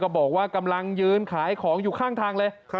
บอกว่ากำลังยืนขายของอยู่ข้างทางเลย